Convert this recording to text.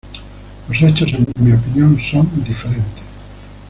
Los hechos, en mi opinión, son diferentes.